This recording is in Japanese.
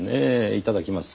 いただきます。